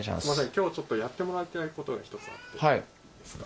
今日ちょっとやってもらいたいことが１つあっていいですか？